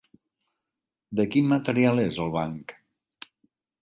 De quin material és el banc?